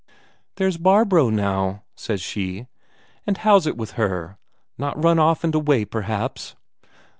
"There's Barbro now," says she. "And how's it with her? Not run off and away, perhaps?"